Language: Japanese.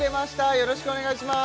よろしくお願いします